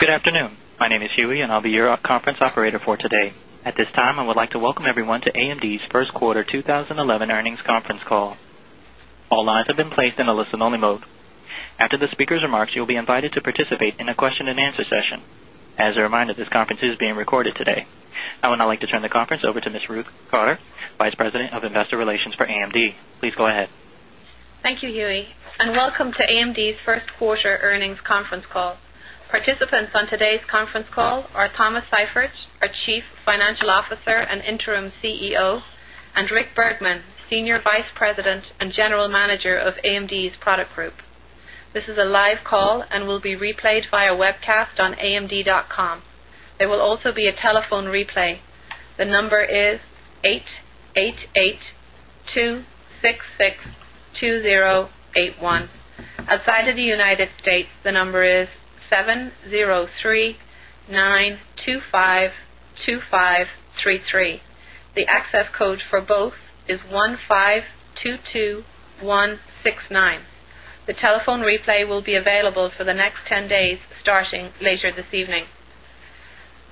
Good afternoon. My name is Huey, and I'll be your conference operator for today. At this time, I would like to welcome everyone to AMD's First Quarter 2011 Earnings Conference Call. All lines have been placed in a listen-only mode. After the speaker's remarks, you will be invited to participate in a question and answer session. As a reminder, this conference is being recorded today. I would now like to turn the conference over to Ms. Ruth Cotter, Vice President of Investor Relations for AMD. Please go ahead. Thank you, Huey, and welcome to AMD's First Quarter Earnings Conference Call. Participants on today's conference call are Thomas Seifert, our Chief Financial Officer and Interim CEO, and Rick Bergman, Senior Vice President and General Manager of AMD's Product Group. This is a live call and will be replayed via webcast on amd.com. There will also be a telephone replay. The number is 888-266-2081. Outside of the U.S., the number is 703-925-2533. The access code for both is 1522169. The telephone replay will be available for the next 10 days, starting later this evening.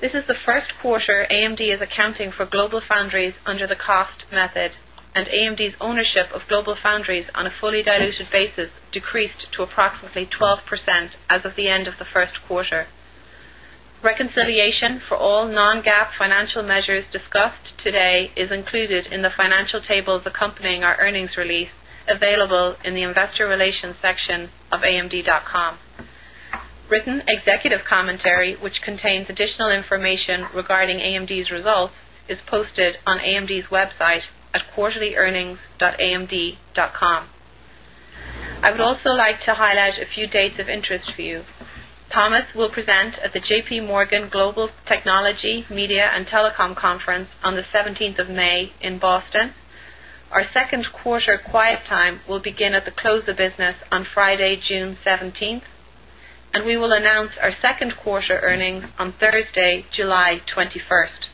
This is the first quarter AMD is accounting for GlobalFoundries under the cost method, and AMD's ownership of GlobalFoundries on a fully diluted basis decreased to approximately 12% as of the end of the first quarter. Reconciliation for all non-GAAP financial measures discussed today is included in the financial tables accompanying our earnings release, available in the Investor Relations section of amd.com. Written executive commentary, which contains additional information regarding AMD's results, is posted on AMD's website at quarterlyearnings.amd.com. I would also like to highlight a few dates of interest for you. Thomas will present at the JP Morgan Global Technology, Media, and Telecom Conference on the 17th of May in Boston. Our second quarter quiet time will begin at the close of business on Friday, June 17th, and we will announce our second quarter earnings on Thursday, July 21st.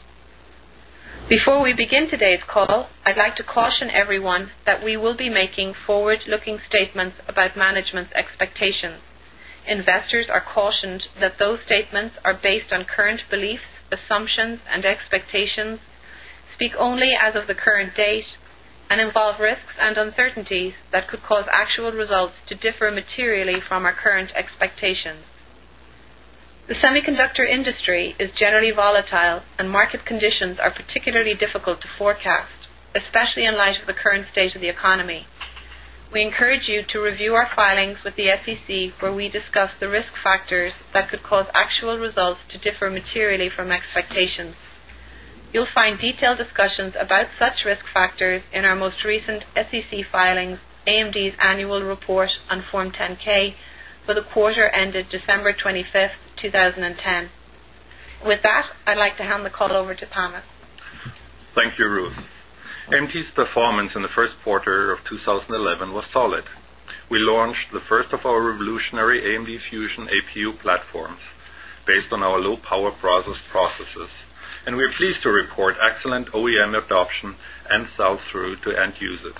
Before we begin today's call, I'd like to caution everyone that we will be making forward-looking statements about management's expectations. Investors are cautioned that those statements are based on current beliefs, assumptions, and expectations, speak only as of the current date, and involve risks and uncertainties that could cause actual results to differ materially from our current expectations. The semiconductor industry is generally volatile, and market conditions are particularly difficult to forecast, especially in light of the current state of the economy. We encourage you to review our filings with the SEC, where we discuss the risk factors that could cause actual results to differ materially from expectations. You'll find detailed discussions about such risk factors in our most recent SEC filings, AMD's annual report on Form 10-K, for the quarter ended December 25th, 2010. With that, I'd like to hand the call over to Thomas. Thank you, Ruth. AMD's performance in the first quarter of 2011 was solid. We launched the first of our revolutionary AMD Fusion APU platforms based on our low-power Brazos processes, and we're pleased to report excellent OEM adoption and sell-through to end users.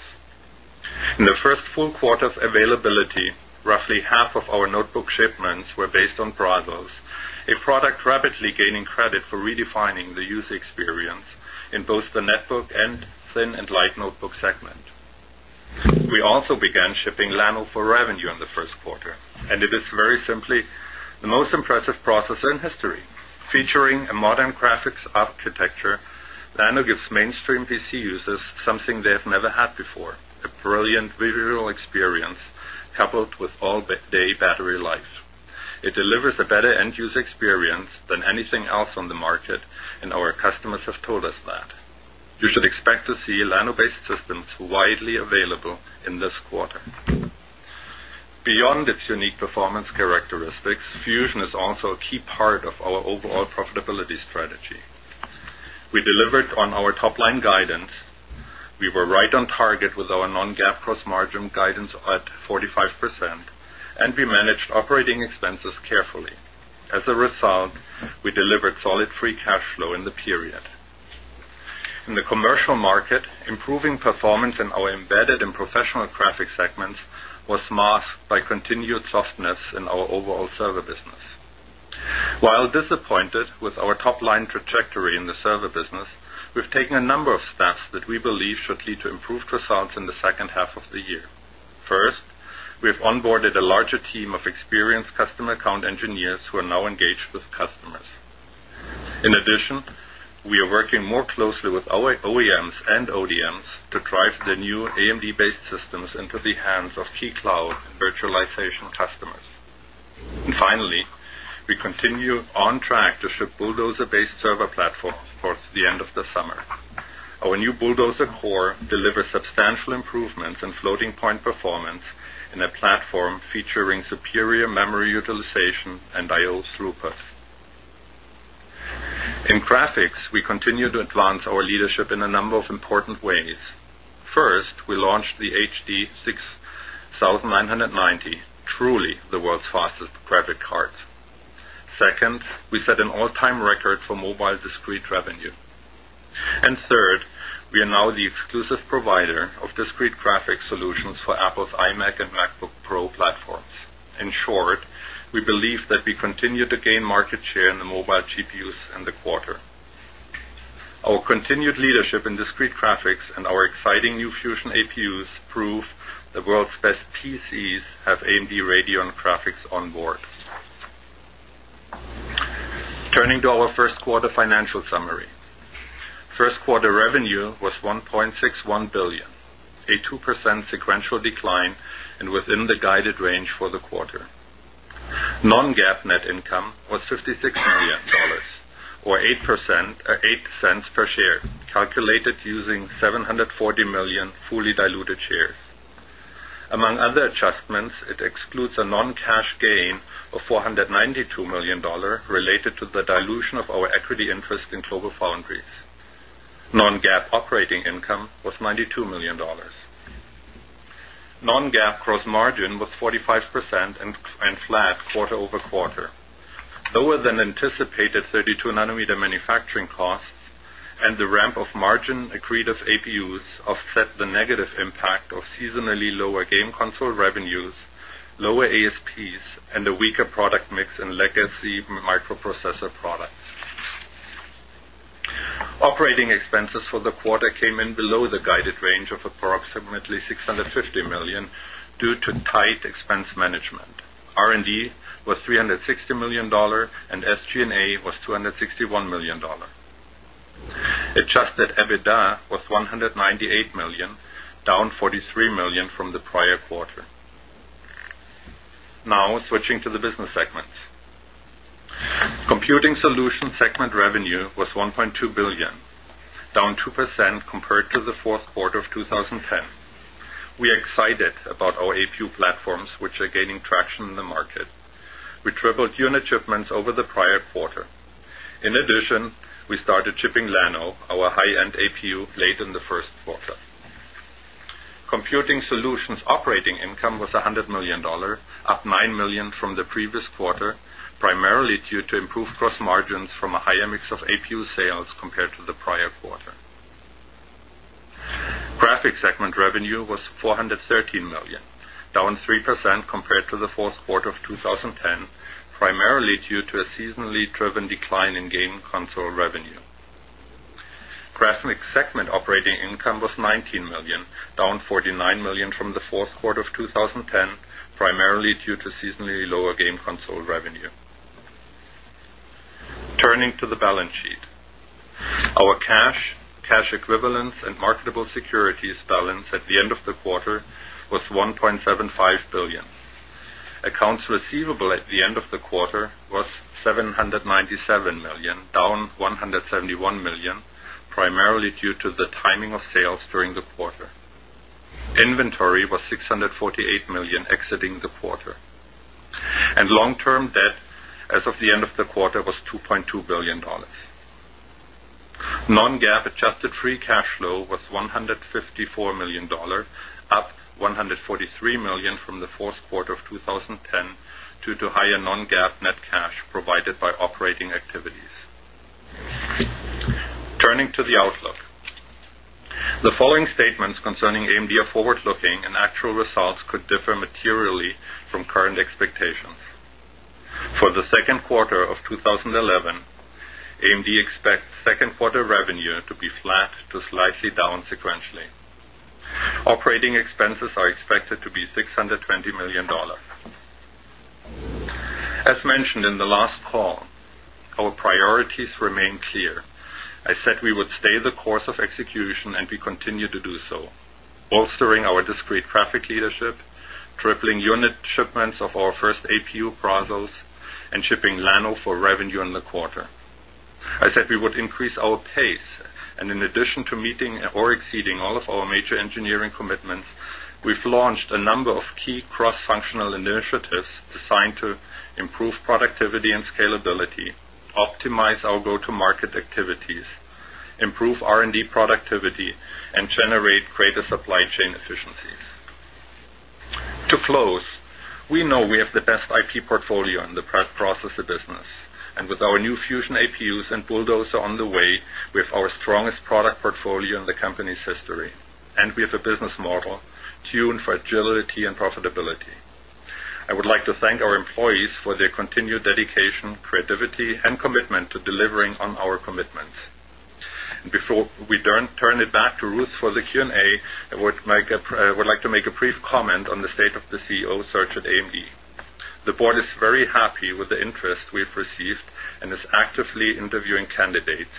In the first full quarter of availability, roughly half of our notebook shipments were based on Brazos, a product rapidly gaining credit for redefining the user experience in both the network and thin and light notebook segment. We also began shipping Llano for revenue in the first quarter, and it is very simply the most impressive process in history. Featuring a modern graphics architecture, Llano gives mainstream PC users something they have never had before: a brilliant visual experience coupled with all-day battery life. It delivers a better end-user experience than anything else on the market, and our customers have told us that. You should expect to see Llano-based systems widely available in this quarter. Beyond its unique performance characteristics, Fusion is also a key part of our overall profitability strategy. We delivered on our top-line guidance. We were right on target with our non-GAAP gross margin guidance at 45%, and we managed operating expenses carefully. As a result, we delivered solid free cash flow in the period. In the commercial market, improving performance in our embedded and professional graphics segments was masked by continued softness in our overall server business. While disappointed with our top-line trajectory in the server business, we've taken a number of steps that we believe should lead to improved results in the second half of the year. First, we've onboarded a larger team of experienced customer account engineers who are now engaged with customers. In addition, we are working more closely with our OEMs and ODMs to drive the new AMD-based systems into the hands of key cloud virtualization customers. Finally, we continue on track to ship Bulldozer-based server platforms towards the end of the summer. Our new Bulldozer core delivers substantial improvements in floating-point performance in a platform featuring superior memory utilization and I/O throughput. In graphics, we continue to advance our leadership in a number of important ways. First, we launched the HD 6990, truly the world's fastest graphics card. Second, we set an all-time record for mobile discrete revenue. Third, we are now the exclusive provider of discrete graphics solutions for Apple's iMac and MacBook Pro platforms. In short, we believe that we continue to gain market share in the mobile GPUs in the quarter. Our continued leadership in discrete graphics and our exciting new Fusion APUs prove the world's best PCs have AMD Radeon graphics onboard. Turning to our first quarter financial summary, first quarter revenue was $1.61 billion, a 2% sequential decline and within the guided range for the quarter. Non-GAAP net income was $56 million, or $0.08 per share, calculated using 740 million fully diluted shares. Among other adjustments, it excludes a non-cash gain of $492 million related to the dilution of our equity interest in GlobalFoundries. Non-GAAP operating income was $92 million. Non-GAAP gross margin was 45% and flat quarter-over-quarter. Lower than anticipated 32 μm manufacturing costs and the ramp of margin accretive APUs offset the negative impact of seasonally lower game console revenues, lower ASPs, and a weaker product mix in legacy microprocessor products. Operating expenses for the quarter came in below the guided range of approximately $650 million due to tight expense management. R&D was $360 million, and SG&A was $261 million. Adjusted EBITDA was $198 million, down $43 million from the prior quarter. Now, switching to the business segments. Computing Solutions segment revenue was $1.2 billion, down 2% compared to the fourth quarter of 2010. We are excited about our APU platforms, which are gaining traction in the market. We tripled unit shipments over the prior quarter. In addition, we started shipping Llano, our high-end APU, late in the first quarter. Computing Solutions operating income was $100 million, up $9 million from the previous quarter, primarily due to improved gross margins from a higher mix of APU sales compared to the prior quarter. Graphics segment revenue was $413 million, down 3% compared to the fourth quarter of 2010, primarily due to a seasonally driven decline in game console revenue. Graphics segment operating income was $19 million, down $49 million from the fourth quarter of 2010, primarily due to seasonally lower game console revenue. Turning to the balance sheet, our cash, cash equivalents, and marketable securities balance at the end of the quarter was $1.75 billion. Accounts receivable at the end of the quarter was $797 million, down $171 million, primarily due to the timing of sales during the quarter. Inventory was $648 million exiting the quarter. Long-term debt as of the end of the quarter was $2.2 billion. Non-GAAP adjusted free cash flow was $154 million, up $143 million from the fourth quarter of 2010 due to higher non-GAAP net cash provided by operating activities. Turning to the outlook, the following statements concerning AMD are forward-looking and actual results could differ materially from current expectations. For the second quarter of 2011, AMD expects second quarter revenue to be flat to slightly down sequentially. Operating expenses are expected to be $620 million. As mentioned in the last call, our priorities remain clear. I said we would stay the course of execution and we continue to do so, bolstering our discrete graphics leadership, tripling unit shipments of our first APU Brazos, and shipping Llano for revenue in the quarter. I said we would increase our pace, and in addition to meeting or exceeding all of our major engineering commitments, we've launched a number of key cross-functional initiatives designed to improve productivity and scalability, optimize our go-to-market activities, improve R&D productivity, and generate greater supply chain efficiencies. To close, we know we have the best IP portfolio in the processor business, and with our new Fusion APUs and Bulldozer on the way, we have our strongest product portfolio in the company's history, and we have a business model tuned for agility and profitability. I would like to thank our employees for their continued dedication, creativity, and commitment to delivering on our commitments. Before we turn it back to Ruth for the Q&A, I would like to make a brief comment on the state of the CEO search at AMD. The board is very happy with the interest we've received and is actively interviewing candidates,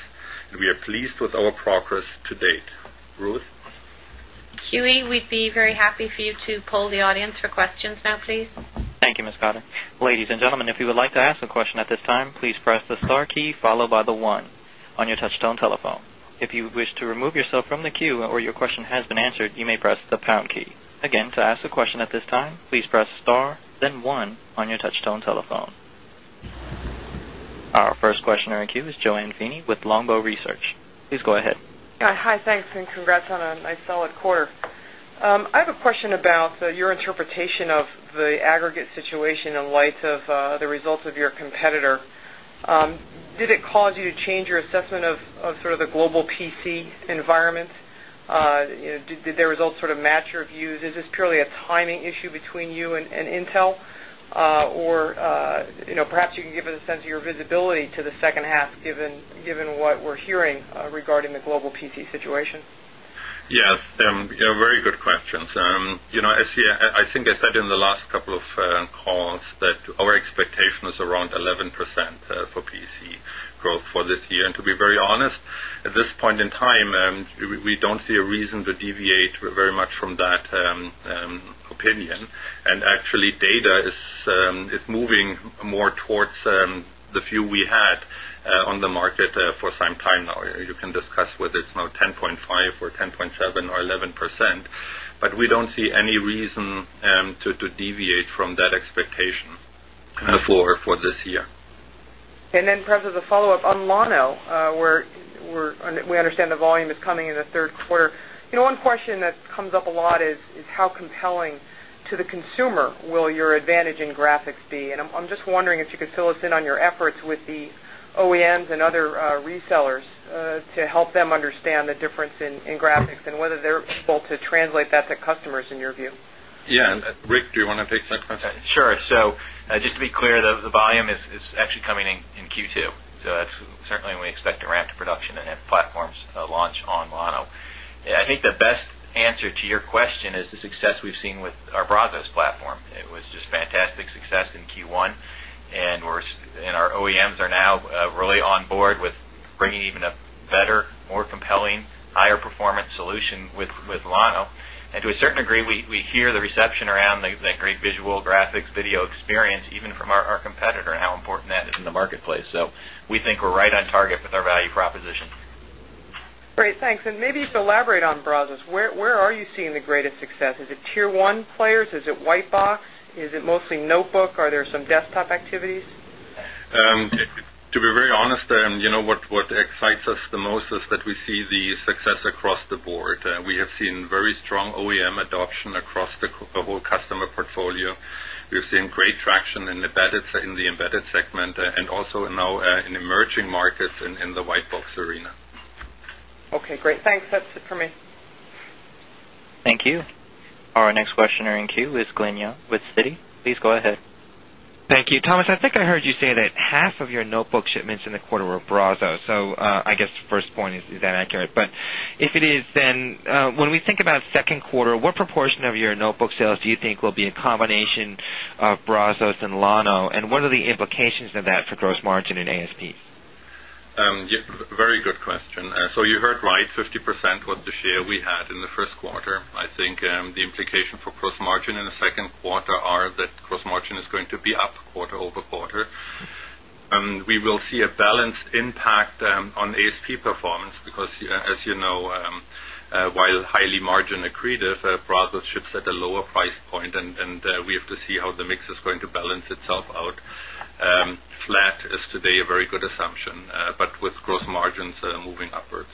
and we are pleased with our progress to date. Ruth? Huey, we'd be very happy for you to poll the audience for questions now, please. Thank you, Ms. Cotter. Ladies and gentlemen, if you would like to ask a question at this time, please press the star key followed by the one on your touch-tone telephone. If you wish to remove yourself from the queue or your question has been answered, you may press the pound key. Again, to ask a question at this time, please press star, then one on your touch-tone telephone. Our first questioner in the queue is JoAnne Feeney with Longbow Research. Please go ahead. Hi, thanks, and congrats on a nice solid quarter. I have a question about your interpretation of the aggregate situation in light of the results of your competitor. Did it cause you to change your assessment of sort of the global PC environment? Did the results sort of match your views? Is this purely a timing issue between you and Intel, or perhaps you can give us a sense of your visibility to the second half, given what we're hearing regarding the global PC situation? Yes, very good questions. I think I said in the last couple of calls that our expectation is around 11% for PC growth for this year. To be very honest, at this point in time, we don't see a reason to deviate very much from that opinion. Actually, data is moving more towards the view we had on the market for some time now. You can discuss whether it's now 10.5% or 10.7% or 11%, but we don't see any reason to deviate from that expectation on the floor for this year. Perhaps as a follow-up on Llano, where we understand the volume is coming in the third quarter, one question that comes up a lot is how compelling to the consumer will your advantage in graphics be? I'm just wondering if you could fill us in on your efforts with the OEMs and other resellers to help them understand the difference in graphics and whether they're able to translate that to customers in your view. Yeah, Rick, do you want to take that question? Sure. Just to be clear, the volume is actually coming in in Q2. That's certainly when we expect to ramp to production and have platforms launch on Llano. I think the best answer to your question is the success we've seen with our Brazos platform. It was just fantastic success in Q1, and our OEMs are now really on board with bringing even a better, more compelling, higher-performance solution with Llano. To a certain degree, we hear the reception around the great visual graphics video experience even from our competitor and how important that is in the marketplace. We think we're right on target with our value proposition. Great, thanks. Maybe you could elaborate on Brazos. Where are you seeing the greatest success? Is it tier one players? Is it white box? Is it mostly notebook? Are there some desktop activities? To be very honest, you know, what excites us the most is that we see the success across the board. We have seen very strong OEM adoption across the whole customer portfolio. We've seen great traction in the embedded segment and also now in emerging markets in the white box arena. OK, great, thanks. That's it for me. Thank you. Our next questioner in queue is Glen Yeung with Citi. Please go ahead. Thank you. Thomas, I think I heard you say that half of your notebook shipments in the quarter were Brazos. Is that accurate? If it is, when we think about second quarter, what proportion of your notebook sales do you think will be a combination of Brazos and Llano, and what are the implications of that for gross margin and ASPs? Yes, very good question. You heard right, 50% of the share we had in the first quarter. I think the implications for gross margin in the second quarter are that gross margin is going to be up quarter-over-quarter. We will see a balanced impact on ASP performance because, as you know, while highly margin accretive, Brazos ships at a lower price point, and we have to see how the mix is going to balance itself out. Flat is today a very good assumption, but with gross margins moving upwards.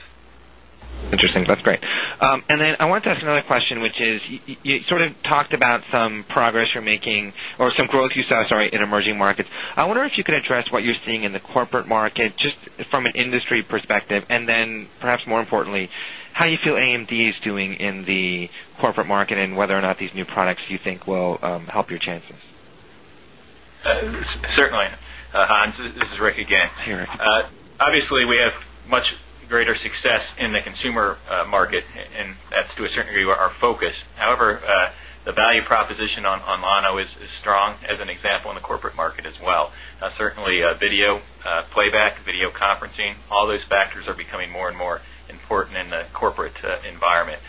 Interesting, that's great. I wanted to ask another question, which is you sort of talked about some progress you're making or some growth you saw in emerging markets. I wonder if you could address what you're seeing in the corporate market just from an industry perspective, and then perhaps more importantly, how you feel AMD is doing in the corporate market and whether or not these new products you think will help your chances. Certainly. Hi, this is Rick again. Hi, Rick. Obviously, we have much greater success in the consumer market, and that's to a certain degree our focus. However, the value proposition on Llano is strong as an example in the corporate market as well. Certainly, video playback, video conferencing, all those factors are becoming more and more important in the corporate environment.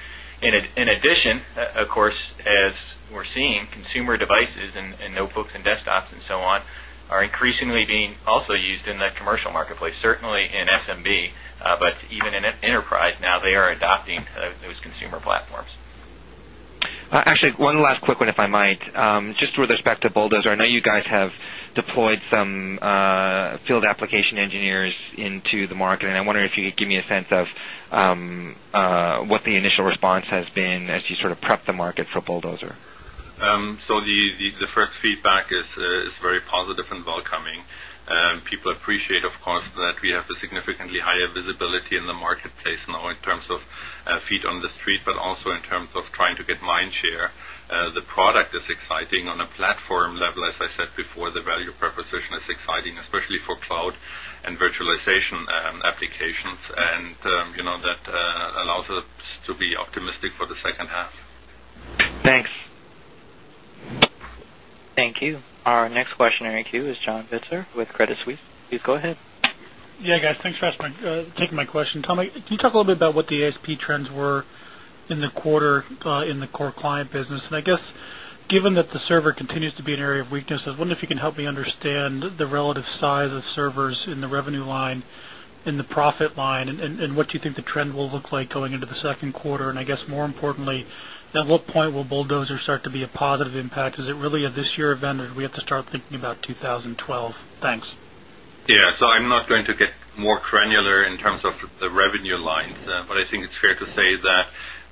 In addition, of course, as we're seeing, consumer devices and notebooks and desktops and so on are increasingly being also used in the commercial marketplace, certainly in SMB, but even in enterprise now, they are adopting those consumer platforms. Actually, one last quick one, if I might, just with respect to Bulldozer. I know you guys have deployed some field application engineers into the market, and I wonder if you could give me a sense of what the initial response has been as you sort of prep the market for Bulldozer. The first feedback is very positive and welcoming. People appreciate, of course, that we have a significantly higher visibility in the marketplace now in terms of feet on the street, but also in terms of trying to get mind share. The product is exciting on a platform level. As I said before, the value proposition is exciting, especially for cloud and virtualization applications, and that allows us to be optimistic for the second half. Thanks. Thank you. Our next questioner in queue is John Pitzer with Credit Suisse. Please go ahead. Yeah, guys, thanks for asking me, taking my question. Tom, can you talk a little bit about what the ASP trends were in the quarter in the core client business? I guess, given that the server continues to be an area of weakness, I wonder if you can help me understand the relative size of servers in the revenue line, in the profit line, and what do you think the trend will look like going into the second quarter? I guess, more importantly, at what point will Bulldozer start to be a positive impact? Is it really a this year event, or do we have to start thinking about 2012? Thanks. Yeah, I'm not going to get more granular in terms of the revenue lines, but I think it's fair to say that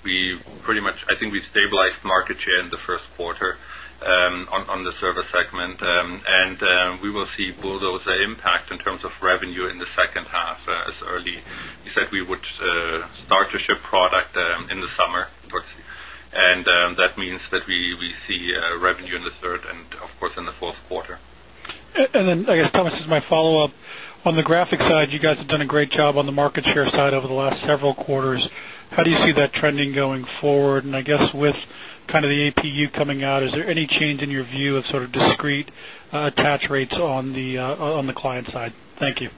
we pretty much, I think we've stabilized market share in the first quarter on the server segment, and we will see Bulldozer impact in terms of revenue in the second half as early. You said we would start to ship product in the summer, and that means that we see revenue in the third and, of course, in the fourth quarter. Thomas, as my follow-up, on the graphic side, you guys have done a great job on the market share side over the last several quarters. How do you see that trending going forward? With kind of the APU coming out, is there any change in your view of sort of discrete attach rates on the client side? Thank you.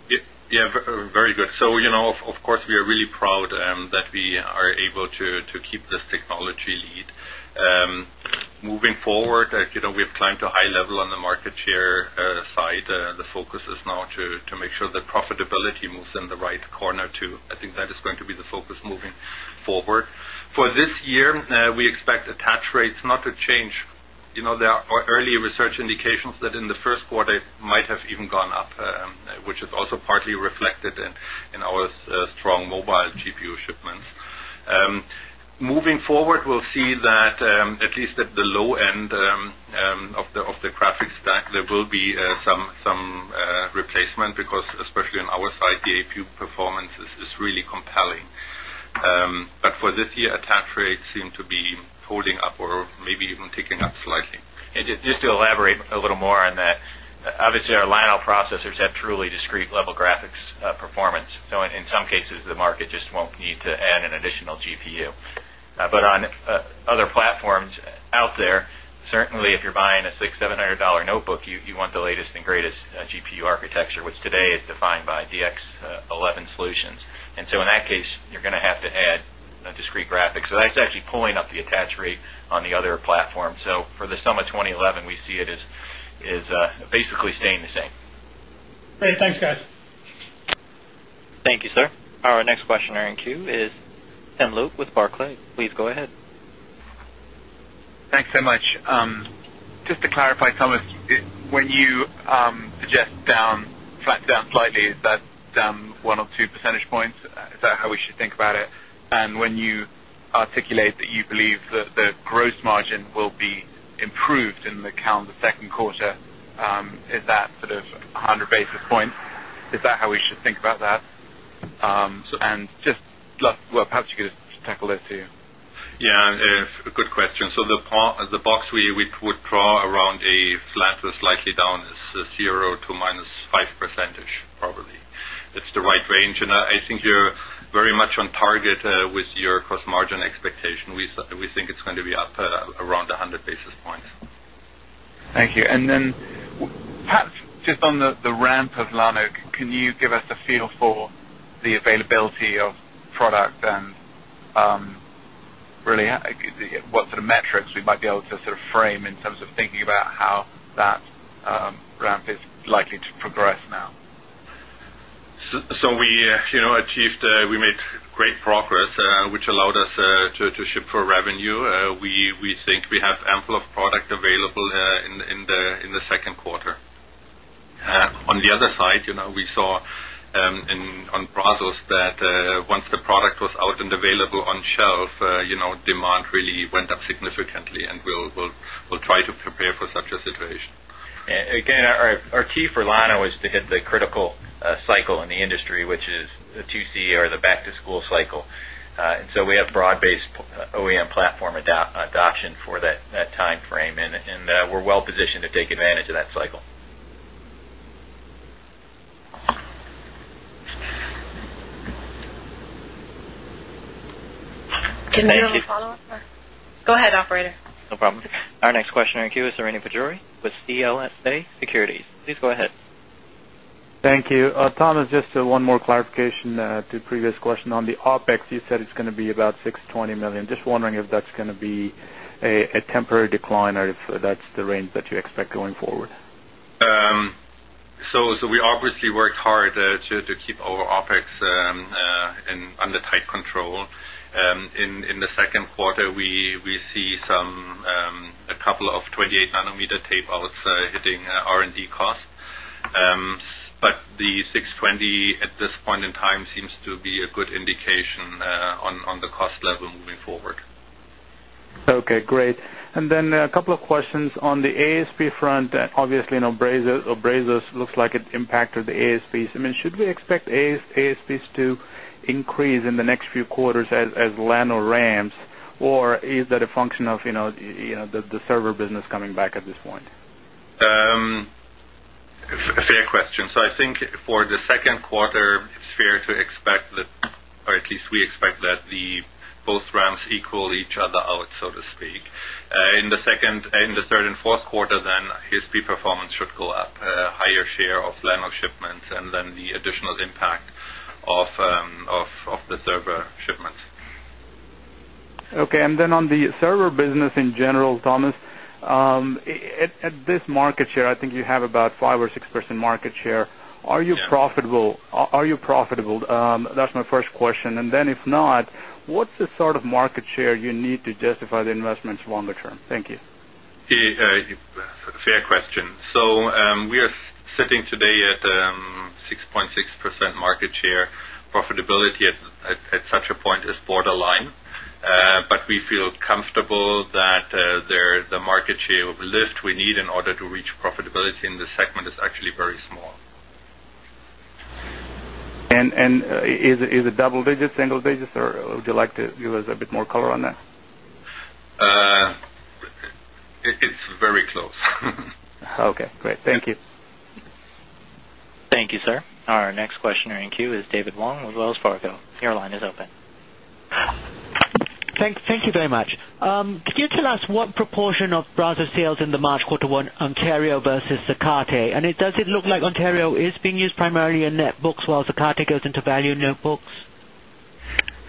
Yeah, very good. Of course, we are really proud that we are able to keep this technology lead. Moving forward, we have climbed to a high level on the market share side. The focus is now to make sure that profitability moves in the right corner too. I think that is going to be the focus moving forward. For this year, we expect attach rates not to change. There are early research indications that in the first quarter, it might have even gone up, which is also partly reflected in our strong mobile GPU shipments. Moving forward, we'll see that at least at the low end of the graphics stack, there will be some replacement because, especially on our side, the APU performance is really compelling. For this year, attach rates seem to be holding up or maybe even ticking up slightly. To elaborate a little more on that, obviously, our Llano processors have truly discrete-level graphics performance. In some cases, the market just will not need to add an additional GPU. On other platforms out there, certainly, if you're buying a $600, $700 notebook, you want the latest and greatest GPU architecture, which today is defined by DX11 solutions. In that case, you're going to have to add discrete graphics. That is actually pulling up the attach rate on the other platforms. For the summer 2011, we see it as basically staying the same. Thanks, guys. Thank you, sir. Our next questioner in queue is Tim Luke with Barclays. Please go ahead. Thanks so much. Just to clarify, Thomas, when you suggest down flat to down slightly, is that down 1 percentage point or 2 percentage points? Is that how we should think about it? When you articulate that you believe that the gross margin will be improved in the calendar second quarter, is that sort of 100 basis point? Is that how we should think about that? Perhaps you could just tackle this, Huey. Good question. The box we would draw around a flat or slightly down is 0% to -5%-ish, probably. It's the right range. I think you're very much on target with your gross margin expectation. We think it's going to be up around 100 basis points. Thank you. Perhaps just on the ramp of Llano, can you give us a feel for the availability of product and really what sort of metrics we might be able to frame in terms of thinking about how that ramp is likely to progress now? We achieved, we made great progress, which allowed us to ship for revenue. We think we have ample product available in the second quarter. On the other side, you know, we saw on Brazos that once the product was out and available on shelf, demand really went up significantly, and we'll try to prepare for such a situation. Again, our key for Llano is to hit the critical cycle in the industry, which is the 2C or the back-to-school cycle. We have broad-based OEM platform adoption for that time frame, and we're well positioned to take advantage of that cycle. Can I do a follow-up? Go ahead, operator. No problem. Our next questioner in queue is Srini Pajjuri with CLSA Securities. Please go ahead. Thank you. Thomas, just one more clarification to the previous question. On the OpEx, you said it's going to be about $620 million. Just wondering if that's going to be a temporary decline or if that's the range that you expect going forward. We obviously worked hard to keep our OpEx under tight control. In the second quarter, we see a couple of 28 μm tapeouts hitting R&D costs, but the $620 at this point in time seems to be a good indication on the cost level moving forward. OK, great. A couple of questions on the ASP front. Obviously, you know, Brazos looks like it impacted the ASPs. I mean, should we expect ASPs to increase in the next few quarters as Llano ramps, or is that a function of the server business coming back at this point? Fair question. I think for the second quarter, it's fair to expect that, or at least we expect that both ramps equal each other out, so to speak. In the third and fourth quarter, ASP performance should go up, a higher share of Llano shipments, and the additional impact of the server shipments. OK, and then on the server business in general, Thomas, at this market share, I think you have about 5% or 6% market share. Are you profitable? That's my first question. If not, what's the sort of market share you need to justify the investments longer term? Thank you. Fair question. We are sitting today at 6.6% market share. Profitability at such a point is borderline, but we feel comfortable that the market share lift we need in order to reach profitability in this segment is actually very small. Is it double digits, single digits, or would you like to give us a bit more color on that? It's very close. OK, great. Thank you. Thank you, sir. Our next questioner in queue is David Wong with Wells Fargo. Your line is open. Thank you very much. Could you tell us what proportion of Brazos sales in the March quarter went Ontario versus Zacate, and does it look like Ontario is being used primarily in netbooks while Zacate goes into value notebooks?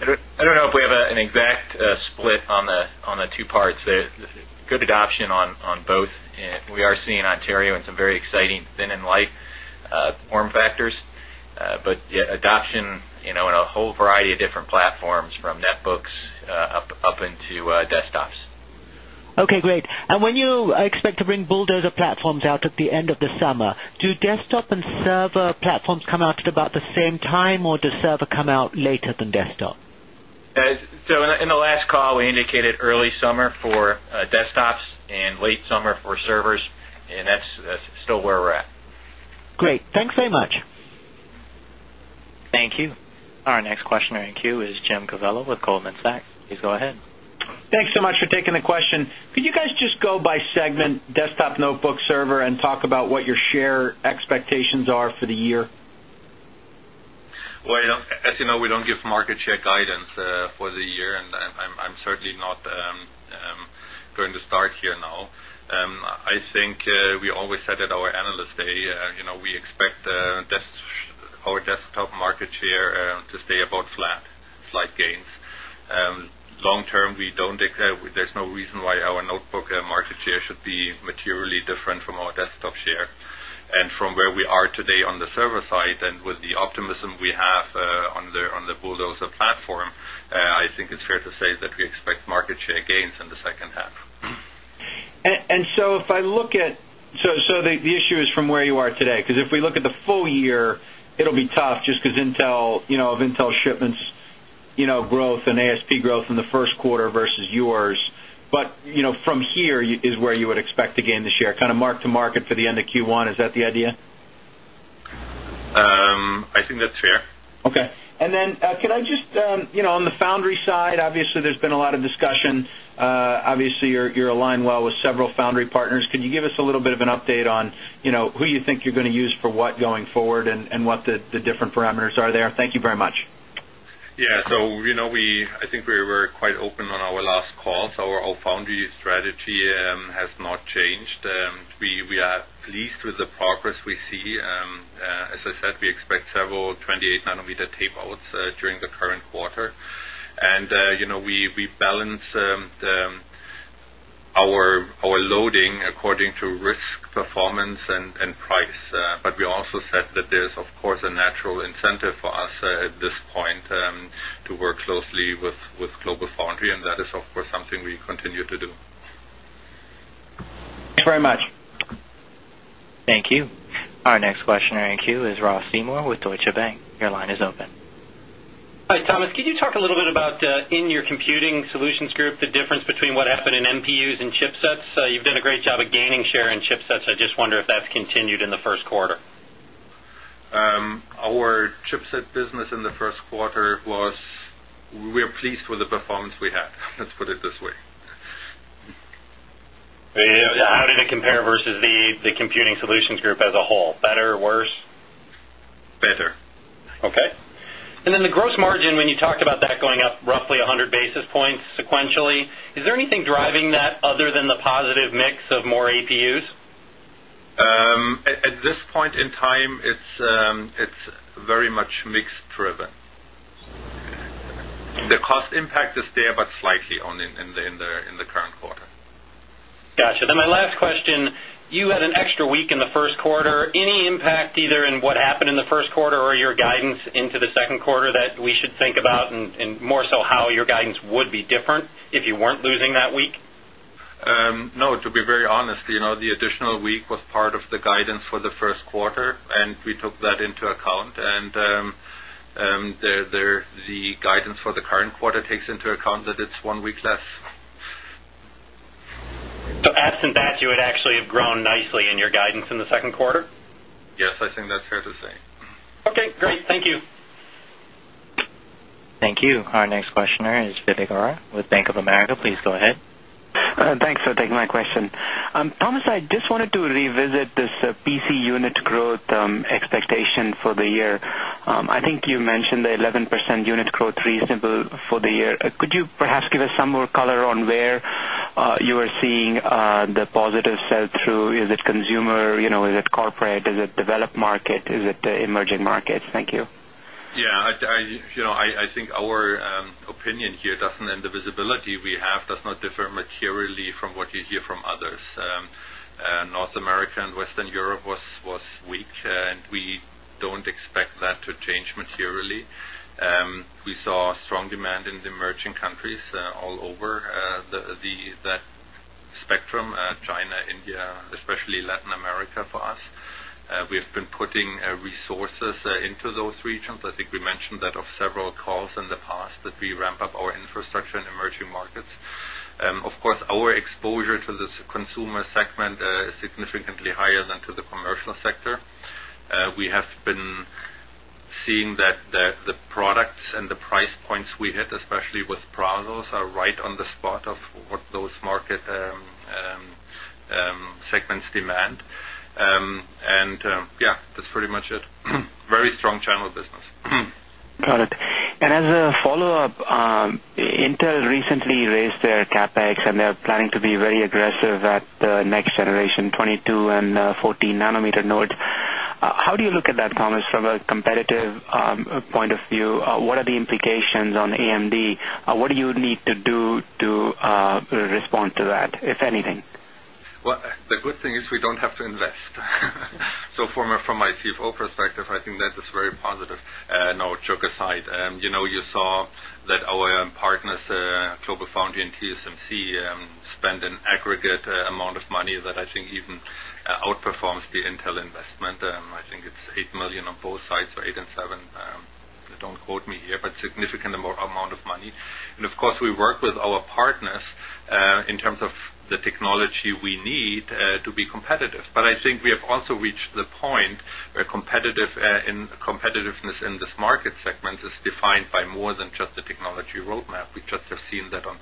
I don't know if we have an exact split on the two parts. Good adoption on both. We are seeing Ontario in some very exciting thin and light form factors, but adoption in a whole variety of different platforms from netbooks up into desktops. OK, great. When you expect to bring Bulldozer platforms out at the end of the summer, do desktop and server platforms come out at about the same time, or does server come out later than desktop? In the last call, we indicated early summer for desktops and late summer for servers, and that's still where we're at. Great. Thanks very much. Thank you. Our next questioner in queue is Jim Covello with Goldman Sachs. Please go ahead. Thanks so much for taking the question. Could you guys just go by segment, desktop, notebook, server, and talk about what your share expectations are for the year? As you know, we don't give market share guidance for the year, and I'm certainly not going to start here now. I think we always said at our analyst day, you know, we expect our desktop market share to stay about flat, slight gains. Long term, we don't exact, there's no reason why our notebook market share should be materially different from our desktop share. From where we are today on the server side and with the optimism we have on the Bulldozer platform, I think it's fair to say that we expect market share gains in the second half. If I look at the issue from where you are today, because if we look at the full year, it'll be tough just because of Intel shipments growth and ASP growth in the first quarter versus yours. From here is where you would expect to gain the share, kind of mark to market for the end of Q1. Is that the idea? I think that's fair. OK. Could I just, on the foundry side, obviously there's been a lot of discussion. Obviously, you're aligned well with several foundry partners. Could you give us a little bit of an update on who you think you're going to use for what going forward and what the different parameters are there? Thank you very much. Yeah, I think we were quite open on our last call. Our foundry strategy has not changed. We are pleased with the progress we see. As I said, we expect several 28 μm tapeouts during the current quarter. We balance our loading according to risk, performance, and price. There is, of course, a natural incentive for us at this point to work closely with GlobalFoundries, and that is, of course, something we continue to do. Thanks very much. Thank you. Our next questioner in queue is Ross Seymore with Deutsche Bank. Your line is open. Hi, Thomas, could you talk a little bit about in your Computing Solutions Group, the difference between what happened in NPUs and chipsets? You've done a great job at gaining share in chipsets. I just wonder if that's continued in the first quarter. Our chipset business in the first quarter was, we are pleased with the performance we had. Let's put it this way. How did it compare versus the Computing Solutions Group as a whole? Better, worse? Better. OK. The gross margin, when you talked about that going up roughly 100 basis points sequentially, is there anything driving that other than the positive mix of more APUs? At this point in time, it's very much mix-driven. The cost impact is there, but slightly only in the current quarter. Gotcha. My last question, you had an extra week in the first quarter. Any impact either in what happened in the first quarter or your guidance into the second quarter that we should think about, and more so how your guidance would be different if you weren't losing that week? To be very honest, the additional week was part of the guidance for the first quarter, and we took that into account. The guidance for the current quarter takes into account that it's one week less. Absent that, you would actually have grown nicely in your guidance in the second quarter? Yes, I think that's fair to say. OK, great. Thank you. Thank you. Our next questioner is Vivek Arya with Bank of America. Please go ahead. Thanks for taking my question. Thomas, I just wanted to revisit this PC unit growth expectation for the year. I think you mentioned the 11% unit growth reasonable for the year. Could you perhaps give us some more color on where you are seeing the positive sell-through? Is it consumer? Is it corporate? Is it developed market? Is it the emerging markets? Thank you. Yeah, you know, I think our opinion here doesn't, and the visibility we have does not differ materially from what you hear from others. North America and Western Europe was weak, and we don't expect that to change materially. We saw strong demand in the emerging countries all over that spectrum, China, India, especially Latin America for us. We have been putting resources into those regions. I think we mentioned that on several calls in the past that we ramp up our infrastructure in emerging markets. Of course, our exposure to this consumer segment is significantly higher than to the commercial sector. We have been seeing that the products and the price points we hit, especially with Brazos, are right on the spot of what those market segments demand. Yeah, that's pretty much it. Very strong general business. Got it. As a follow-up, Intel recently raised their CapEx, and they're planning to be very aggressive at the next generation, 22 μm and 14 μm nodes. How do you look at that, Thomas, from a competitive point of view? What are the implications on AMD? What do you need to do to respond to that, if anything? The good thing is we don't have to invest. From my CFO perspective, I think that is very positive. Joking aside, you saw that our partners, GlobalFoundries and TSMC, spend an aggregate amount of money that I think even outperforms the Intel investment. I think it's $8 million on both sides, so $8 million and $7 million. Don't quote me here, but a significant amount of money. Of course, we work with our partners in terms of the technology we need to be competitive. I think we have also reached the point where competitiveness in this market segment is defined by more than just the technology roadmap. We have just seen that on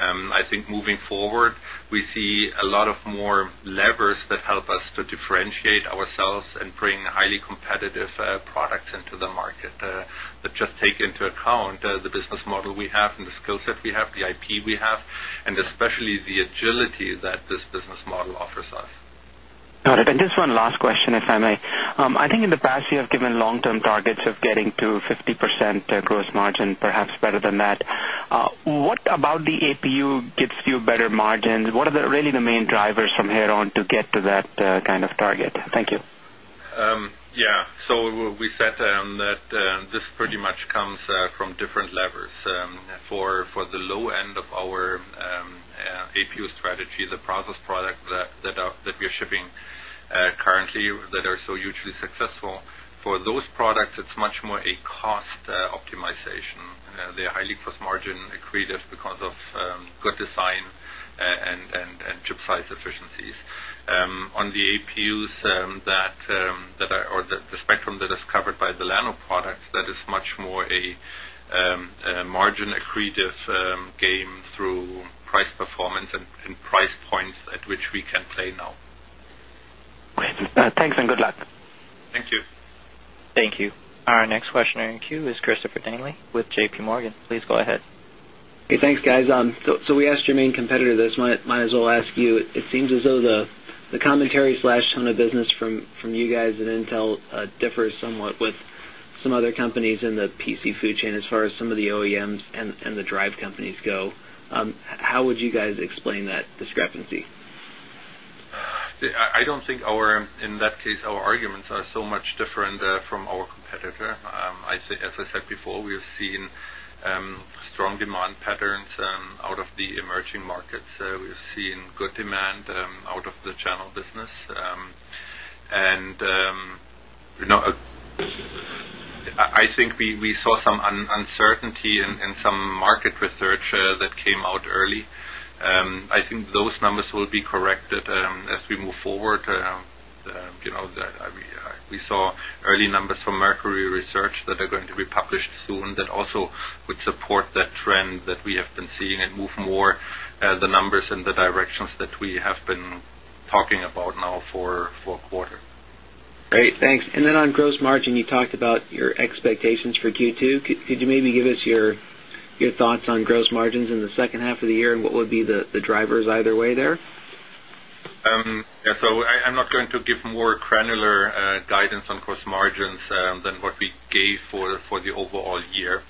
Brazos. Moving forward, we see a lot more levers that help us to differentiate ourselves and bring highly competitive products into the market that just take into account the business model we have and the skill set we have, the IP we have, and especially the agility that this business model offers us. Got it. Just one last question, if I may. I think in the past, you have given long-term targets of getting to 50% gross margin, perhaps better than that. What about the APU gets you better margins? What are really the main drivers from here on to get to that kind of target? Thank you. Yeah, we said that this pretty much comes from different levers. For the low end of our APU strategy, the Brazos products that we are shipping currently that are so hugely successful, for those products, it's much more a cost optimization. They are highly gross margin accretive because of good design and chip size efficiencies. On the APUs that are the spectrum that is covered by the Llano products, that is much more a margin accretive game through price performance and price points at which we can play now. Great. Thanks and good luck. Thank you. Thank you. Our next questioner in queue is Christopher Danely with JPMorgan. Please go ahead. Hey, thanks, guys. We asked your main competitor this. Might as well ask you. It seems as though the commentary or tone of business from you guys at Intel differs somewhat with some other companies in the PC food chain as far as some of the OEMs and the drive companies go. How would you guys explain that discrepancy? I don't think in that case our arguments are so much different from our competitor. As I said before, we have seen strong demand patterns out of the emerging markets. We have seen good demand out of the general business. I think we saw some uncertainty in some market research that came out early. I think those numbers will be corrected as we move forward. We saw early numbers from Mercury Research that are going to be published soon that also would support that trend that we have been seeing and move more the numbers in the directions that we have been talking about now for a quarter. Great, thanks. On gross margin, you talked about your expectations for Q2. Could you maybe give us your thoughts on gross margins in the second half of the year and what would be the drivers either way there? Yeah, I'm not going to give more granular guidance on gross margins than what we gave for the overall year.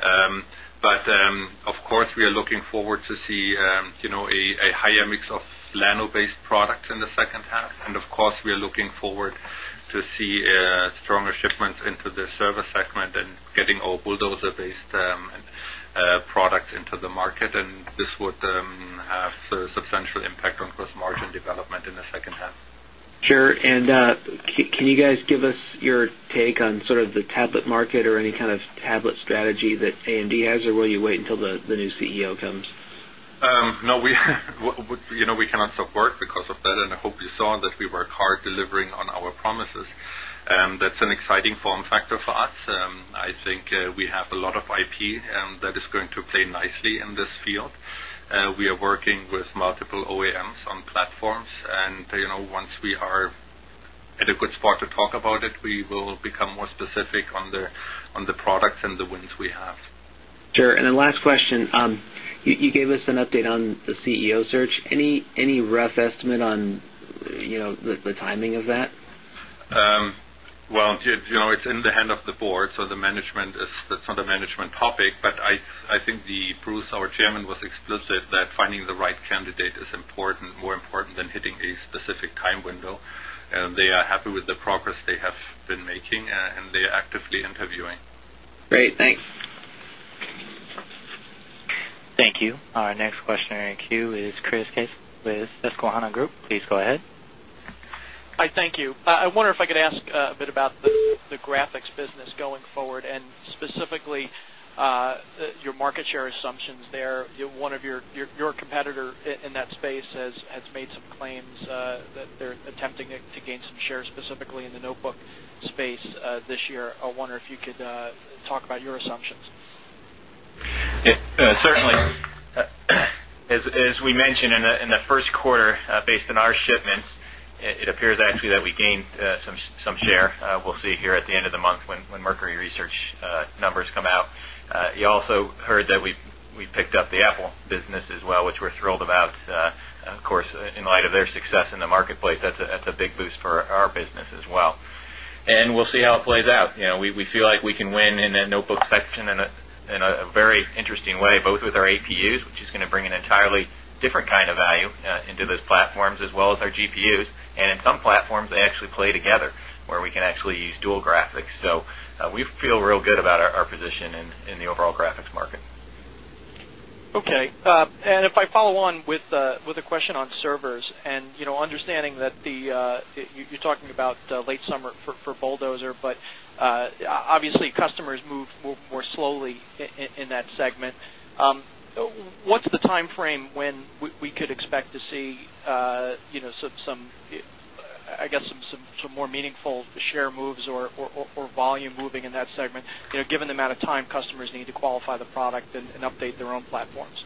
Of course, we are looking forward to seeing a higher mix of Llano-based products in the second half. Of course, we are looking forward to see stronger shipments into the server segment and getting our Bulldozer-based products into the market. This would have a substantial impact on gross margin development in the second half. Sure. Can you guys give us your take on sort of the tablet market or any kind of tablet strategy that AMD has, or will you wait until the new CEO comes? No, we cannot stop work because of that. I hope you saw that we work hard delivering on our promises. That is an exciting form factor for us. I think we have a lot of IP that is going to play nicely in this field. We are working with multiple OEMs on platforms. Once we are at a good spot to talk about it, we will become more specific on the products and the wins we have. Sure. Last question, you gave us an update on the CEO search. Any rough estimate on the timing of that? It is in the hand of the board. The management is, that's not a management topic, but I think Bruce, our Chairman, was explicit that finding the right candidate is more important than hitting a specific time window. They are happy with the progress they have been making, and they are actively interviewing. Great, thanks. Thank you. Our next questioner in queue is Chris Caso with Susquehanna Group. Please go ahead. Hi, thank you. I wonder if I could ask a bit about the graphics business going forward and specifically your market share assumption there. One of your competitors in that space has made some claims that they're attempting to gain some shares specifically in the notebook space this year. I wonder if you could talk about your assumptions. Certainly. As we mentioned in the first quarter, based on our shipments, it appears actually that we gained some share. We will see here at the end of the month when Mercury Research numbers come out. You also heard that we picked up the Apple business as well, which we're thrilled about. Of course, in light of their success in the marketplace, that's a big boost for our business as well. We will see how it plays out. You know, we feel like we can win in that notebook section in a very interesting way, both with our APUs, which is going to bring an entirely different kind of value into those platforms, as well as our GPUs. In some platforms, they actually play together where we can actually use dual graphics. We feel real good about our position in the overall graphics market. OK. If I follow on with a question on servers, understanding that you're talking about late summer for Bulldozer, obviously customers move more slowly in that segment. What's the time frame when we could expect to see some more meaningful share moves or volume moving in that segment, given the amount of time customers need to qualify the product and update their own platforms?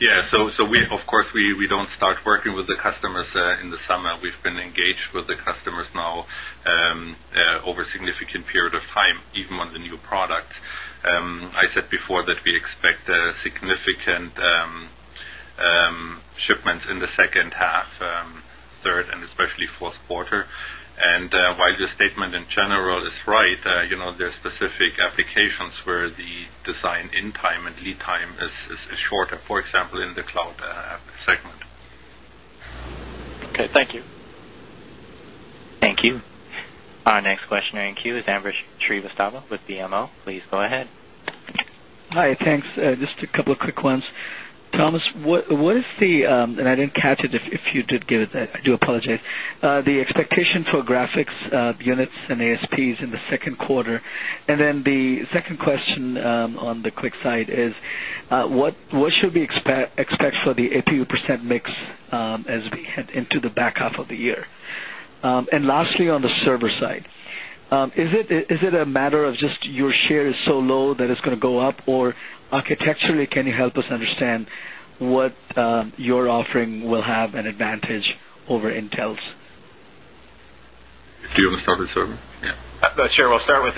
Yeah, of course, we don't start working with the customers in the summer. We've been engaged with the customers now over a significant period of time, even on the new product. I said before that we expect significant shipments in the second half, third, and especially fourth quarter. While your statement in general is right, there are specific applications where the design in time and lead time is shorter, for example, in the cloud segment. OK, thank you. Thank you. Our next questioner in queue is Ambrish Srivastava with BMO. Please go ahead. Hi, thanks. Just a couple of quick ones. Thomas, what is the, and I didn't catch it, if you did give it, I do apologize, the expectation for graphics units and ASPs in the second quarter? The second question on the quick side is, what should we expect for the APU percent mix as we head into the back half of the year? Lastly, on the server side, is it a matter of just your share is so low that it's going to go up, or architecturally, can you help us understand what your offering will have an advantage over Intel's? Do you want to start with server? Sure, we'll start with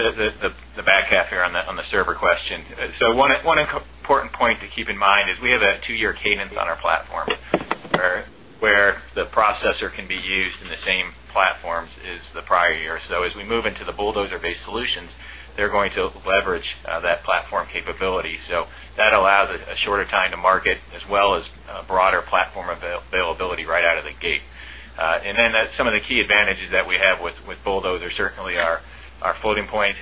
the back half here on the server question. One important point to keep in mind is we have a two-year cadence on our platform where the processor can be used in the same platforms as the prior year. As we move into the Bulldozer-based solutions, they're going to leverage that platform capability. That allows a shorter time to market as well as broader platform availability right out of the gate. Some of the key advantages that we have with Bulldozer certainly are our floating point,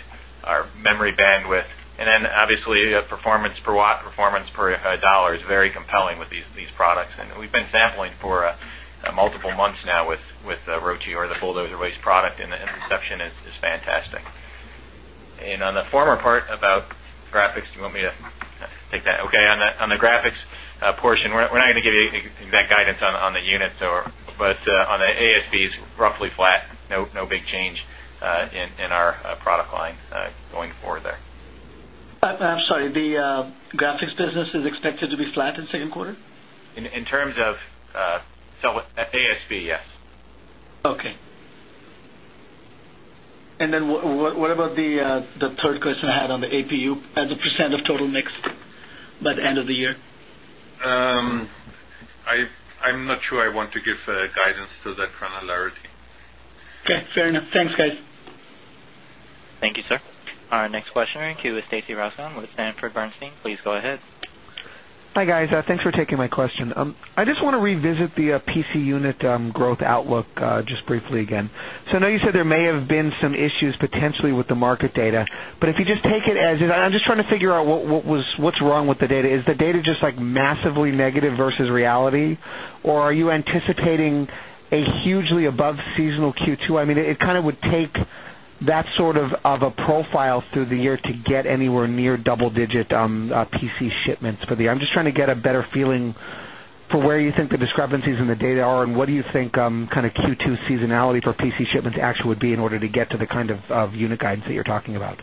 our memory bandwidth, and obviously performance per watt, performance per dollar is very compelling with these products. We've been sampling for multiple months now with Bulldozer-based product, and the inception is fantastic. On the former part about graphics, do you want me to take that? OK, on the graphics portion, we're not going to give you that guidance on the units, but on the ASPs, roughly flat, no big change in our product line going forward there. I'm sorry, the graphics business is expected to be flat in the second quarter? In terms of ASP, yes. OK. What about the third question I had on the APU as a percent of total mix by the end of the year? I'm not sure I want to give guidance to that front alert. OK, fair enough. Thanks, guys. Thank you, sir. Our next questioner in queue is Stacy Rasgon with Sanford Bernstein. Please go ahead. Hi, guys. Thanks for taking my question. I just want to revisit the PC unit growth outlook just briefly again. I know you said there may have been some issues potentially with the market data. If you just take it as is, I'm just trying to figure out what's wrong with the data. Is the data just like massively negative versus reality, or are you anticipating a hugely above seasonal Q2? It kind of would take that sort of a profile through the year to get anywhere near double-digit PC shipments per year. I'm just trying to get a better feeling for where you think the discrepancies in the data are, and what do you think kind of Q2 seasonality for PC shipments actually would be in order to get to the kind of unit guidance that you're talking about?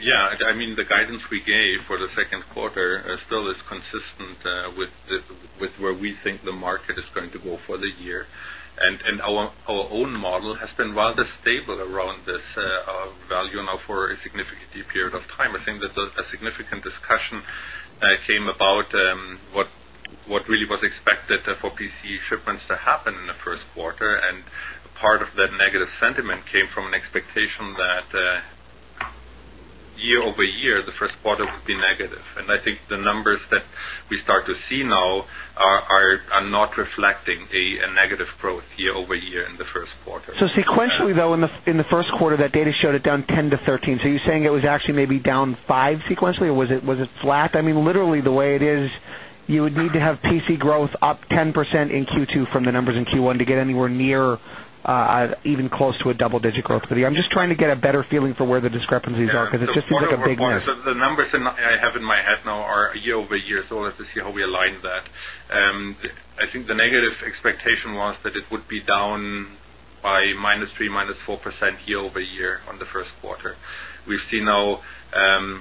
Yeah, I mean, the guidance we gave for the second quarter still is consistent with where we think the market is going to go for the year. Our own model has been rather stable around this value now for a significant period of time. I think that a significant discussion came about what really was expected for PC shipments to happen in the first quarter, and part of the negative sentiment came from an expectation that year-over-year, the first quarter would be negative. I think the numbers that we start to see now are not reflecting a negative growth year-over-year in the first quarter. Sequentially, though, in the first quarter, that data showed it down 10%-13%. You're saying it was actually maybe down 5% sequentially, or was it flat? I mean, literally, the way it is, you would need to have PC growth up 10% in Q2 from the numbers in Q1 to get anywhere near, even close to a double-digit growth. I'm just trying to get a better feeling for where the discrepancies are, because it just seems like a big mess. The numbers I have in my head now are year-over-year, so let's see how we align that. I think the negative expectation was that it would be down by -3%, -4% year-over-year on the first quarter. We've seen now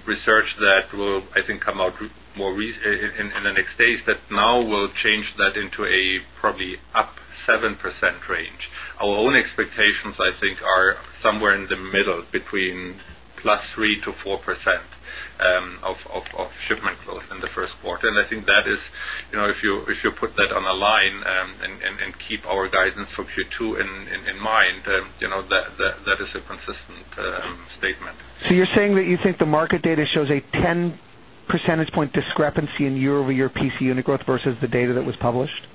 research that will, I think, come out more in the next days that now will change that into a probably up 7% range. Our own expectations, I think, are somewhere in the middle between +3% to 4% of shipment growth in the first quarter. I think that is, you know, if you put that on a line and keep our guidance for Q2 in mind, that is a consistent statement. You're saying that you think the market data shows a 10% point discrepancy in year-over-year PC unit growth versus the data that was published,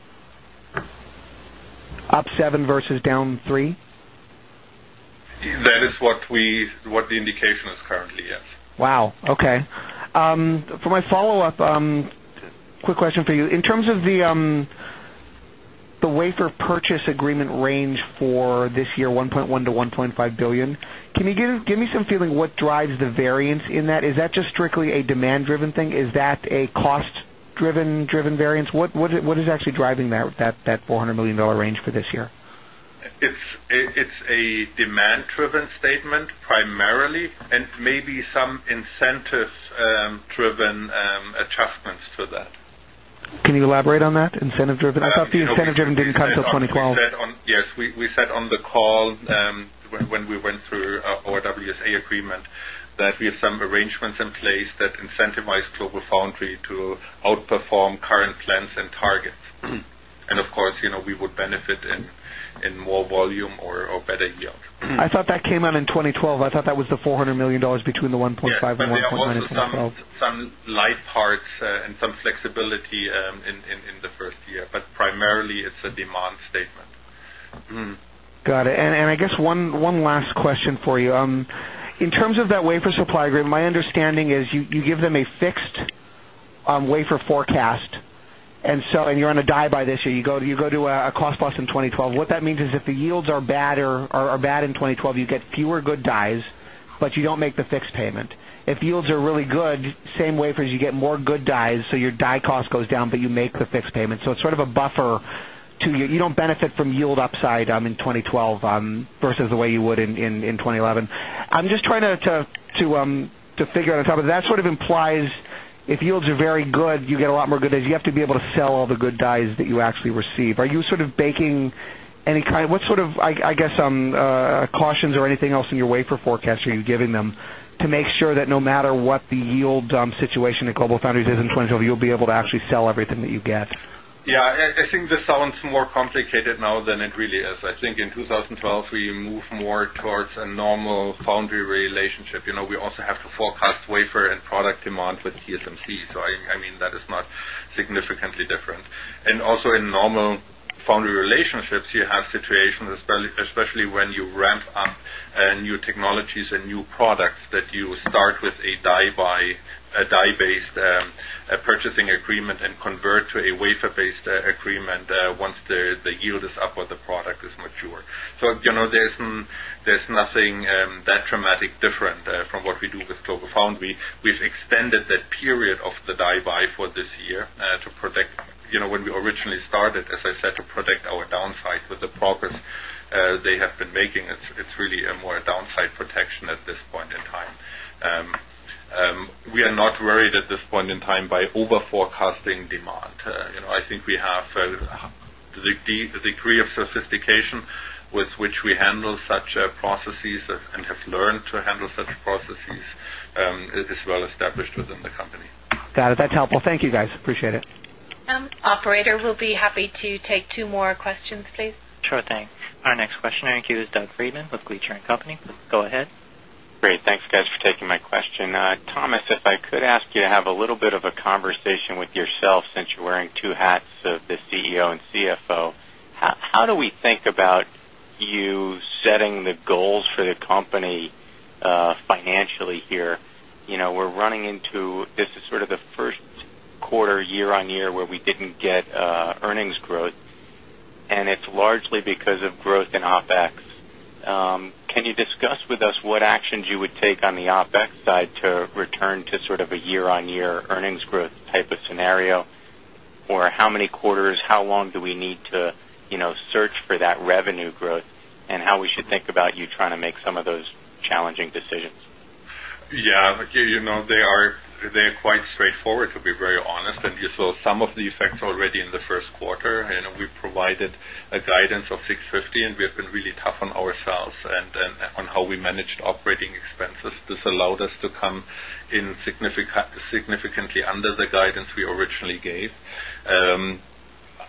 up 7% versus down 3%? That is what the indication is currently, yes. OK. For my follow-up, quick question for you. In terms of the wafer purchase agreement range for this year, $1.1 billion-$1.5 billion, can you give me some feeling what drives the variance in that? Is that just strictly a demand-driven thing? Is that a cost-driven variance? What is actually driving that $400 million range for this year? It's a demand-driven statement primarily, and maybe some incentive-driven adjustments to that. Can you elaborate on that, incentive-driven? I thought the incentive-driven didn't cut so clinically well. Yes, we said on the call when we went through our WSA agreement that we have some arrangements in place that incentivize GlobalFoundries to outperform current plans and targets. Of course, you know, we would benefit in more volume or better yield. I thought that came out in 2012. I thought that was the $400 million between the $1.5 billion and $1.9 billion in 2012. Some light parts and some flexibility in the first year, but primarily, it's a demand statement. Got it. I guess one last question for you. In terms of that wafer supply agreement, my understanding is you give them a fixed wafer forecast, and you're on a die by this year. You go to a cost plus in 2012. What that means is if the yields are bad in 2012, you get fewer good dies, but you don't make the fixed payment. If yields are really good, same way because you get more good dies, so your die cost goes down, but you make the fixed payment. It's sort of a buffer to your, you don't benefit from yield upside in 2012 versus the way you would in 2011. I'm just trying to figure out on top of that. That sort of implies if yields are very good, you get a lot more good dies. You have to be able to sell all the good dies that you actually receive. Are you baking any kind of, what sort of, I guess, cautions or anything else in your wafer forecast are you giving them to make sure that no matter what the yield situation at GlobalFoundries is in 2012, you'll be able to actually sell everything that you get? Yeah, I think this sounds more complicated now than it really is. I think in 2012, we moved more towards a normal foundry relationship. You know, we also have to forecast wafer and product demand with TSMC, right? I mean, that is not significantly different. In normal foundry relationships, you have situations, especially when you ramp up new technologies and new products, that you start with a die-based purchasing agreement and convert to a wafer-based agreement once the yield is up or the product is mature. There's nothing that dramatically different from what we do with GlobalFoundries. We've extended that period of the die-buy for this year to protect, you know, when we originally started, as I said, to protect our downsides with the progress they have been making. It's really more a downside protection at this point in time. We are not worried at this point in time by overforecasting demand. I think the degree of sophistication with which we handle such processes and have learned to handle such processes is well established within the company. Got it. That's helpful. Thank you, guys. Appreciate it. Operator, we'll be happy to take two more questions, please. Sure thing. Our next questioner in queue is Doug Freedman with Gleacher & Company. Please go ahead. Great, thanks, guys, for taking my question. Thomas, if I could ask you to have a little bit of a conversation with yourself since you're wearing two hats of the CEO and CFO, how do we think about you setting the goals for the company financially here? You know, we're running into, this is sort of the first quarter year-on-year where we didn't get earnings growth, and it's largely because of growth in OpEx. Can you discuss with us what actions you would take on the OpEx side to return to sort of a year-on-year earnings growth type of scenario, or how many quarters, how long do we need to search for that revenue growth, and how we should think about you trying to make some of those challenging decisions? Yeah, you know, they are quite straightforward, to be very honest. You saw some of the effects already in the first quarter. We provided a guidance of $650 million, and we have been really tough on ourselves and on how we managed operating expenses. This allowed us to come in significantly under the guidance we originally gave.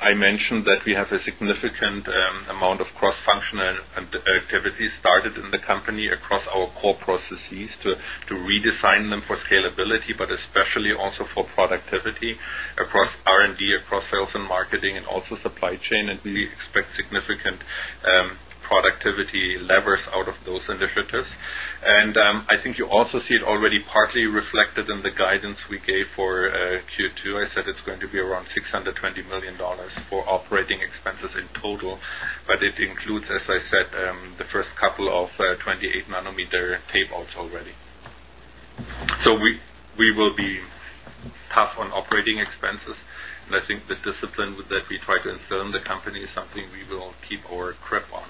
I mentioned that we have a significant amount of cross-functional activity started in the company across our core processes to redesign them for scalability, but especially also for productivity across R&D, across sales and marketing, and also supply chain. We expect significant productivity levers out of those initiatives. I think you also see it already partly reflected in the guidance we gave for Q2. I said it's going to be around $620 million for operating expenses in total, but it includes, as I said, the first couple of 28 μm tapeouts already. We will be tough on operating expenses, and I think the discipline that we try to instill in the company is something we will keep our grip on.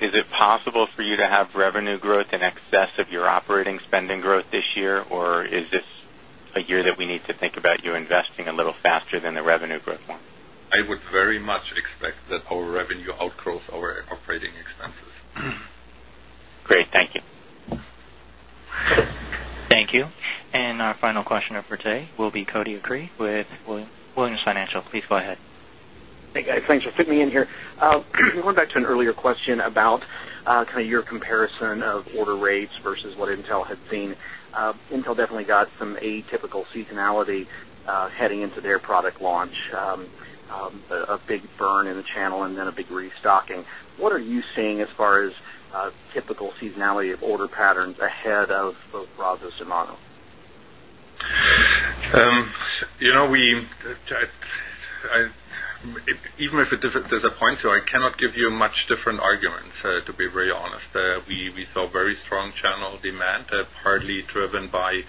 Is it possible for you to have revenue growth in excess of your operating spending growth this year, or is this a year that we need to think about you investing a little faster than the revenue growth one? I would very much expect that our revenue outgrow our operating expenses. Great, thank you. Thank you. Our final questioner for today will be Cody Acree with Williams Financial. Please go ahead. Thanks, guys. Thanks for fitting me in here. Going back to an earlier question about kind of your comparison of order rates versus what Intel had seen, Intel definitely got some atypical seasonality heading into their product launch, a big burn in the channel, and then a big restocking. What are you seeing as far as typical seasonality of order patterns ahead of Brazos and Llano? Even if it's a difficult point, I cannot give you much different arguments, to be very honest. We saw very strong channel demand, partly driven by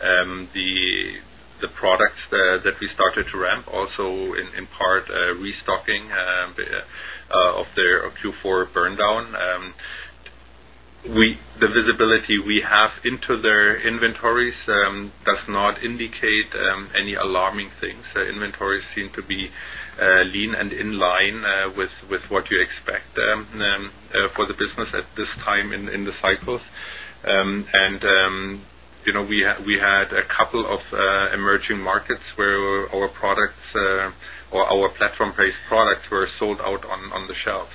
the products that we started to ramp, also in part restocking of their Q4 burndown. The visibility we have into their inventories does not indicate any alarming things. Their inventories seem to be lean and in line with what you expect for the business at this time in the cycles. We had a couple of emerging markets where our products or our platform-based products were sold out on the shelves.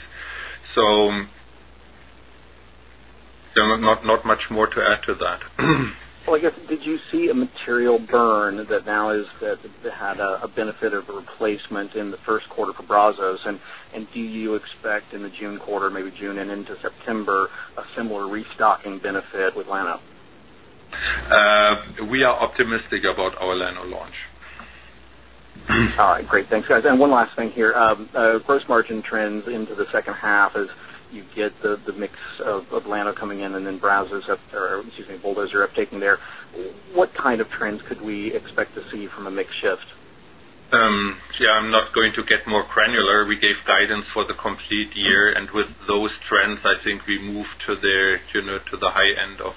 Not much more to add to that. I guess, did you see a material burn that now has had a benefit of replacement in the first quarter for Brazos? Do you expect in the June quarter, maybe June and into September, a similar restocking benefit with Llano? We are optimistic about our Llano launch. Great, thanks, guys. One last thing here. Gross margin trends into the second half as you get the mix of Llano coming in and then Bulldozer uptaking there. What kind of trends could we expect to see from a mix shift? I'm not going to get more granular. We gave guidance for the complete year, and with those trends, I think we moved to the high end of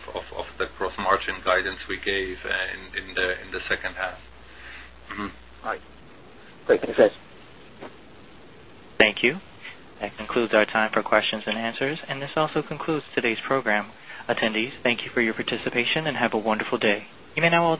the gross margin guidance we gave in the second half. All right. Thank you, guys. Thank you. That concludes our time for questions and answers, and this also concludes today's program. Attendees, thank you for your participation and have a wonderful day. You may now.